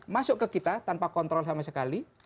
masuk ke kita tanpa kontrol sama sekali